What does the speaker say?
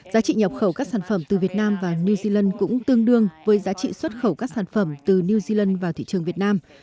giá trị nhập khẩu các sản phẩm từ việt nam và new zealand cũng tương đương với giá trị xuất khẩu các sản phẩm từ new zealand vào thị trường việt nam